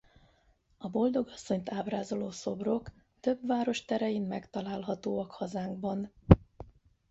A Boldogasszonyt ábrázoló szobrok több város terein megtalálhatóak hazánkban.